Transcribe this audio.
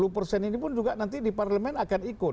dua puluh persen ini pun juga nanti di parlemen akan ikut